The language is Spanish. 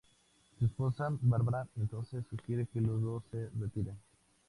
Su esposa, Barbara, entonces sugiere que los dos se retiren.